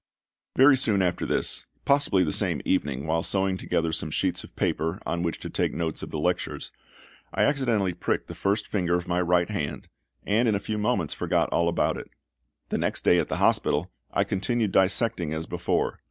Very soon after this, possibly the same evening, while sewing together some sheets of paper on which to take notes of the lectures, I accidentally pricked the first finger of my right hand, and in a few moments forgot all about it. The next day at the hospital I continued dissecting as before.